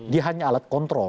dia hanya alat kontrol